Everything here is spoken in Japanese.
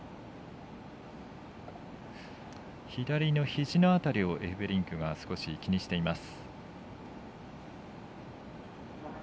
左のひじの辺りをエフベリンクは少し気にしています。